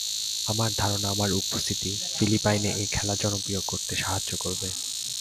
আমার ধারণা, আমার উপস্থিতি ফিলিপাইনে এ খেলা জনপ্রিয় করতে সাহায্য করবে।